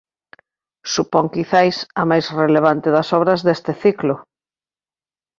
Supón quizais a máis relevante das obras deste ciclo.